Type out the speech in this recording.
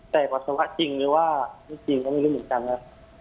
แต่ปฏิเสธจริงหรือว่าไม่จริงก็ไม่รู้เหมือนกันนะ